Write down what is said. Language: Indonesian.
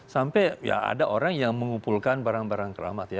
sampai ada orang yang mengumpulkan barang barang keramat